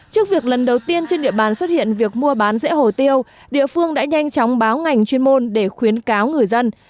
trước việc lần đầu tiên trên địa bàn xuất hiện việc mua bán rễ hồ tiêu địa phương đã nhanh chóng báo ngành chuyên môn để khuyến cáo người dân